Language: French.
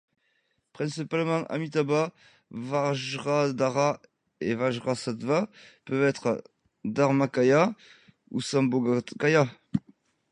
Principalement, Amitābha, Vajradhara et Vajrasattva peuvent être dharmakāya ou sambhogakāya.